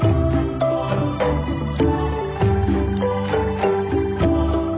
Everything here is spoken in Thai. ที่สุดท้ายที่สุดท้ายที่สุดท้าย